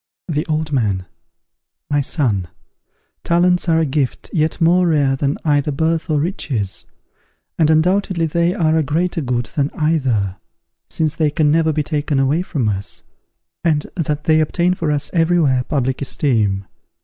The Old Man. My son, talents are a gift yet more rare than either birth or riches, and undoubtedly they are a greater good than either, since they can never be taken away from us, and that they obtain for us every where public esteem.